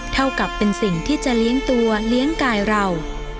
เท่ากับเป็นสิ่งที่จะเลี้ยงตัวเลี้ยงกายเรา